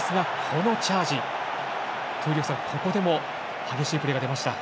ここでも激しいプレーが出ました。